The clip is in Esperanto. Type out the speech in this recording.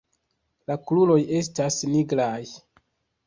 La kruroj estas nigraj.